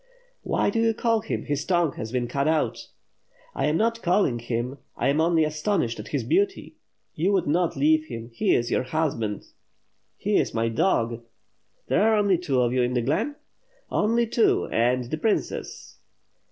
"Why do you call him, his tongue has been cut out." "I am not calling him, I am only astonished at his beauty. You would not leave him; he is your husband." "He is my dog." "There are only two of you iii the glen?" "Only two — and the princess."